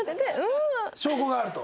証拠があると。